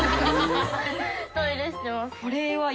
トイレしてますね。